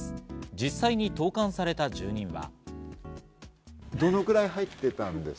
実際に投函された住人は。